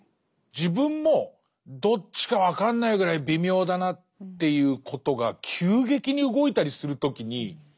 自分もどっちか分かんないぐらい微妙だなっていうことが急激に動いたりする時にちょっと怪しいですよね。